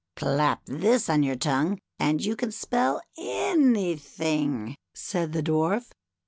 Clap this on your tongue and you can spell any thing/' said the Dwarf.